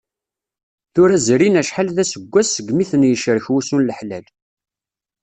Tura zrin acḥal d aseggas, segmi ten-yecrek wusu n leḥlal.